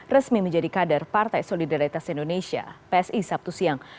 resmi menjadi kader partai solidaritas indonesia psi sabtu siang